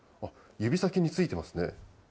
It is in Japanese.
指先に付いてます。